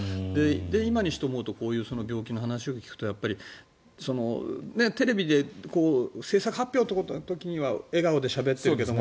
今にして思うと病気の話を聞くとテレビで制作発表の時には笑顔でしゃべっているけども。